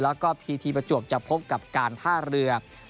แล้วก็พีทีประจวบจะพบกับการท่าเรือ